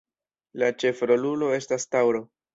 La ĉefrolulo estas taŭro.